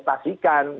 sekiranya kalau ini